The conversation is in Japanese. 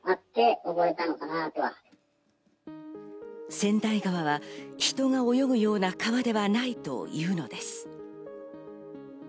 川内川は人が泳ぐような川ではないというのです。